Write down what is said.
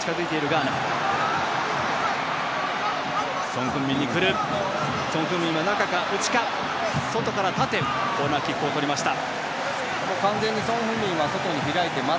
コーナーキックをとりました。